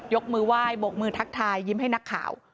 ยกมือไหว้บกมือทักทายยิ้มให้นักข่าว